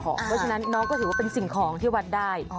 เพราะฉะนั้นน้องก็ถือว่าเป็นสิ่งของที่วัดได้